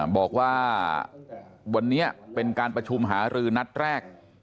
บอกว่าวันนี้เป็นการประชุมหารือนัดแรก